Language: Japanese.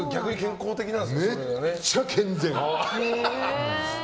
めっちゃ健全。